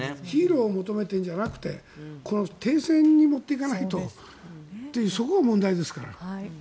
ヒーローを求めているんじゃなくて停戦に持っていかないとというそこが問題ですから。